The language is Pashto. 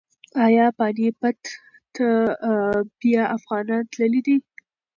ایا پاني پت ته بیا افغانان تللي دي؟